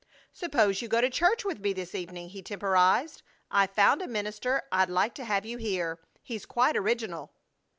"Suppose you go to church with me this evening," he temporized. "I've found a minister I'd like to have you hear. He's quite original!"